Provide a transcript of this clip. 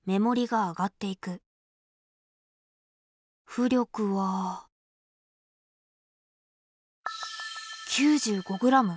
浮力は９５ｇ。